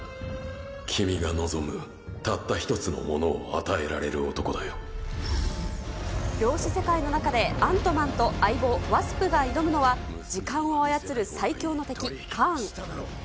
君が望むたった一つのものを量子世界の中でアントマンと相棒、ワスプが挑むのは、時間を操る最凶の敵、カーン。